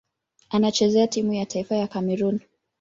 Anachezea timu ya taifa ya Kamerun.